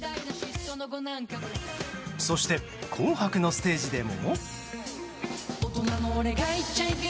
そして「紅白」のステージでも。